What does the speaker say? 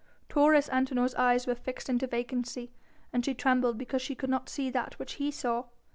Taurus Antinor's eyes were fixed into vacancy, and she trembled because she could not see that which he saw.